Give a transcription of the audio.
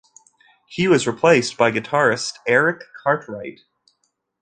He was replaced by guitarist Erik Cartwright.